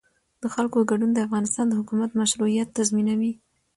د خلکو ګډون د افغانستان د حکومت مشروعیت تضمینوي